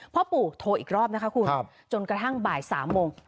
พ่อปู่โทรอีกรอบนะคะคุณจนกระทั่งบ่าย๓โมง